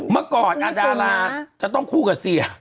เมื่อก่อนดาราจะต้องคู่กับเสีย